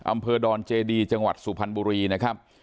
อำเภอดอนเจดีจังหวัดสุพรรณบุรีนะครับ